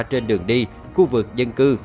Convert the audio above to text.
trên đường đi khu vực dân cư